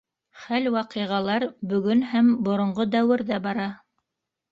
Хәл-ваҡиғалар бөгөн һәм боронғо дәүерҙә бара.